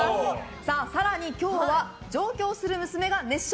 更に今日は、上京する娘が熱唱！